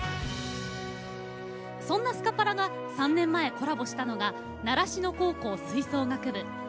そんなスカパラが３年前コラボしたのが習志野高校吹奏楽部。